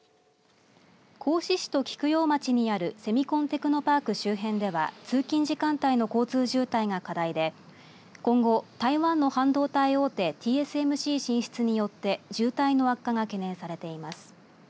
合志市と菊陽町にあるセミコンテクノパーク周辺では通勤時間帯の交通渋滞が課題で今後台湾の半導体大手ＴＳＭＣ進出によって渋滞の悪化が懸念されています。